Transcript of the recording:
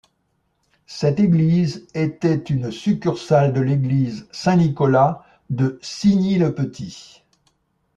Cette église était une succursale de l'église Saint-Nicolas de Signy-le-Petit.